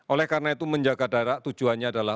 oleh karena itu menjaga jarak tujuannya adalah